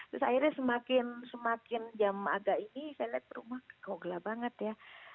terus akhirnya semakin semakin jam agak ini saya lihat rumah kogelah banget ya